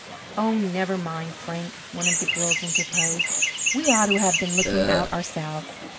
"Oh, never mind, Frank!" one of the girls interposed. "We ought to have been looking out ourselves!